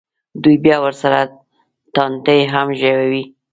دوی بیا ورسره ټانټې هم ژووي.